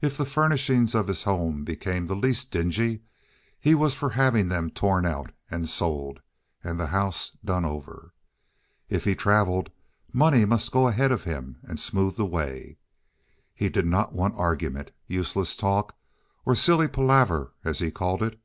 If the furnishings of his home became the least dingy he was for having them torn out and sold and the house done over. If he traveled, money must go ahead of him and smooth the way. He did not want argument, useless talk, or silly palaver as he called it.